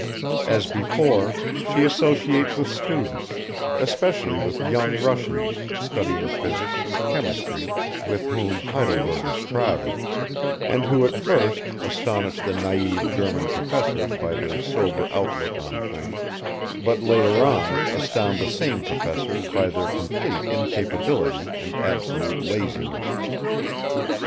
As before, she associates with students, especially with young Russians studying physics and chemistry with whom Heidelberg is crowded, and who at first astonish the naïve German professors by their sober outlook on things, but later on astound the same professors by their complete incapability and absolute laziness.